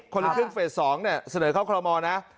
คนกลีบครึ่งเฟส๒เนี่ยเสนอเข้าครมมอลนะ